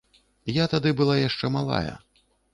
Я тады была яшчэ малая.